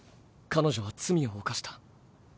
彼女は罪を犯した。